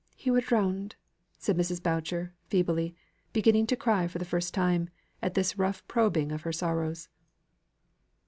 "He were drowned," said Mrs. Boucher, feebly, beginning to cry for the first time, at this rough probing of her sorrows.